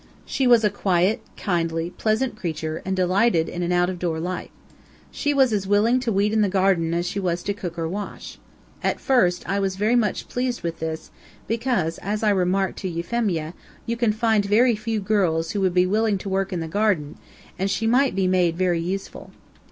She was a quiet, kindly, pleasant creature, and delighted in an out of door life. She was as willing to weed in the garden as she was to cook or wash. At first I was very much pleased with this, because, as I remarked to Euphemia, you can find very few girls who would be willing to work in the garden, and she might be made very useful.